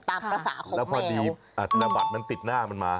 ตามภาษาของแมวค่ะค่ะแล้วพอดีนาบัตรมันติดหน้ามันมา